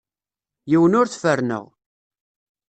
Yiwen ur t-ferrneɣ.